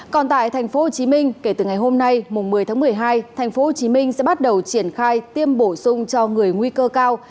còn tại tp hcm kể từ ngày hôm nay một mươi tháng một mươi hai tp hcm sẽ bắt đầu triển khai tiêm bổ sung cho người nguy cơ cao